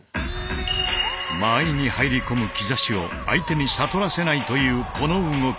間合いに入り込む兆しを相手に悟らせないというこの動き。